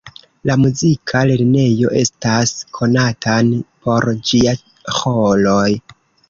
La muzika lernejo estas konatan por ĝia ĥoroj.